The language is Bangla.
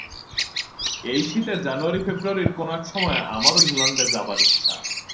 এই শীতে জানুআরী-ফেব্রুআরীর কোন এক সময়ে আমার ইংলণ্ডে যাবার ইচ্ছা।